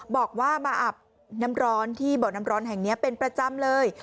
บอกว่ามาอาบน้ำร้อนที่บ่อน้ำร้อนแห่งนี้เป็นประจำเลย